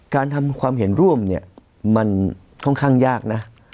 การทำความเห็นร่วมเนี่ยมันค่อนข้างยากนะ